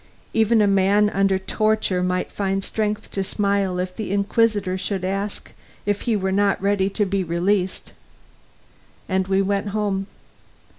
Even a man under torture might find strength to smile if the inquisitor should ask if he were not ready to be released. And we went home.